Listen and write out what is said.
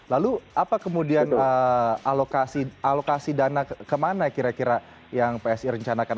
lalu apa kemudian alokasi dana kemana kira kira yang psi rencanakan